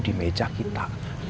di meja kita